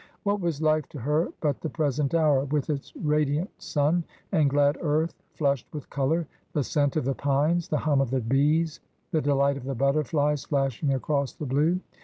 What was life to her but the present hour, with its radiant sun and glad earth flushed with colour, the scent of the pines, the hum of the bees, the delight of the butterflies flashing across the blue